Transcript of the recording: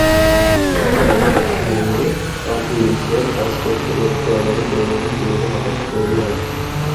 একঘেয়ে অফিসের কাজ করতে করতে আমাদের দৈনন্দিন জীবনে হতাশা তৈরি হয়।